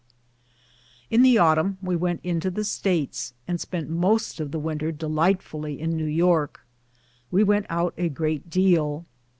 In the autumn we went into the States, and spent most of the winter delightfully in New York. "We went out a great deal.